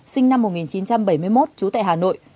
sinh năm một nghìn chín trăm bảy mươi một trú tại hà nội